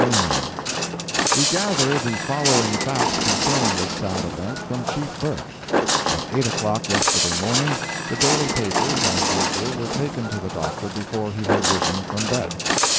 RAYMOND We gather the following facts concerning this sad event from Chief Burke: At eight o'clock yesterday morning, the daily papers, as usual, were taken to the Doctor before he had risen from bed.